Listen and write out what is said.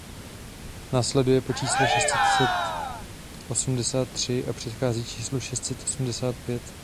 Následuje po čísle šest set osmdesát tři a předchází číslu šest set osmdesát pět.